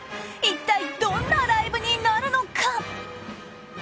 一体、どんなライブになるのか？